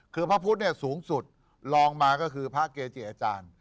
คือพระพุทธเนี่ยสูงสุดลองมาก็คือพระเกจิอาจารย์